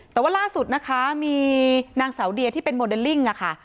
แต่ว่าล่าสุดนะคะมีนางสาวเดียที่เป็นโมเดลลิ่งค่ะ